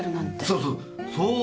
そうそう！